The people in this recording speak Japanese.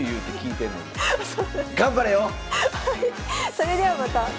それではまた次回。